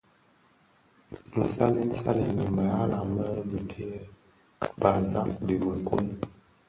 Nsalèn salèn dhi mëghèla më bitè, basag dhi měkoň,